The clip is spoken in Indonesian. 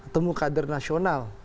temu kader nasional